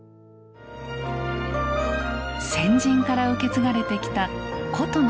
先人から受け継がれてきた古都の宝文化財。